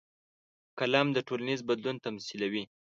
قلم د ټولنیز بدلون تمثیلوي